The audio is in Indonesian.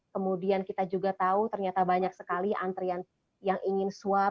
kemudian kita juga tahu ternyata banyak sekali antrian yang ingin swab